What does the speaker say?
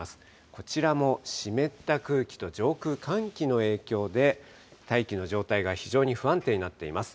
こちらも湿った空気と上空寒気の影響で、大気の状態が非常に不安定になっています。